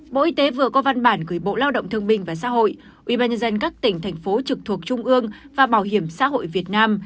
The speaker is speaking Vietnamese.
bộ y tế vừa có văn bản gửi bộ lao động thương minh và xã hội ủy ban nhân dân các tỉnh thành phố trực thuộc trung ương và bảo hiểm xã hội việt nam